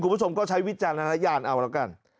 คุณผู้ชมก็ใช้วิจารณญาณเอาแล้วกัน